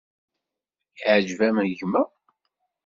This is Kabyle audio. Iɛǧeb-am gma?